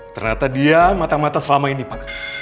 ternyata dia matang mata selama ini pak